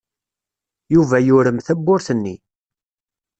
Yuba yurem tawwurt-nni.